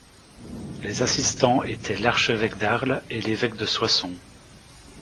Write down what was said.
Les assistants étaient l'archevêque d'Arles et l'évêque de Soissons.